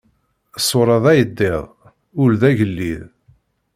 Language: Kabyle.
Ṣṣuṛa d ayeddid, ul d agellid.